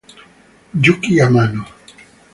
Yuki Amano